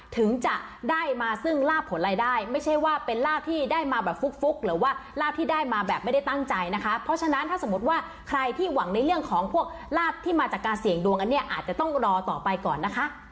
ถึงจะได้มาซึ่งลาบผลรายได้ไม่ใช่ว่าเป็นลาบที่ได้มาแบบฟุกหรือว่าลาบที่ได้มาแบบไม่ได้ตั้งใจนะคะเพราะฉะนั้นถ้าสมมติว่าใครที่หวังในเรื่องของพวกลาบที่มาจากการเสี่ยงดวงอันนี้อาจจะต้องรอต่อไปก่อนนะคะ